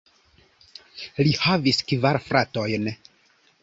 Li havis kvar fratojn.